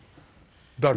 誰？